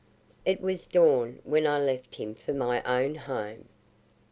It was dawn when I left him for my own home.